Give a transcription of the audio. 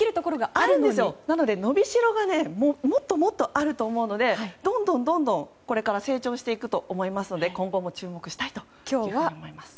なので、伸びしろがもっともっとあると思うのでどんどん、これから成長していくと思いますので今後も注目したいと思います。